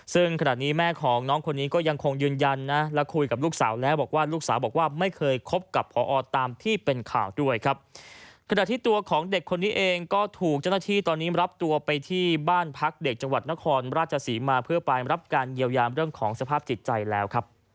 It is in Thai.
ซึ่งขณะนี้แม่ของน้องคนนี้ก็ยังคงยืนยันนะและพอการคุยกับลูกสาวแล้ว